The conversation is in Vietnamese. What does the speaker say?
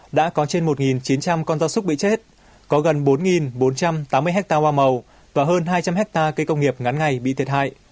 đã có trên một chín trăm linh con gia súc bị chết có gần bốn bốn trăm tám mươi hectare hoa màu và hơn hai trăm linh hectare cây công nghiệp ngắn ngày bị thiệt hại